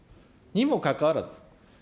にもかかわらず、